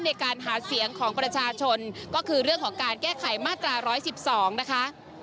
ในการหาเสียงของประชาชนก็คือเรื่องของการแก้ไขมาตรา๑๑๒นะคะ